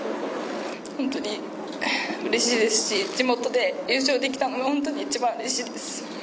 本当にうれしいですし地元で優勝できたのが本当に一番うれしいです。